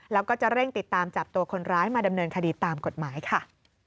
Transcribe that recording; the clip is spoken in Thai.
แล้วก็จะเร่งติดตามจับตัวคนร้ายมาดำเนินคดีตามกฎหมายค่ะ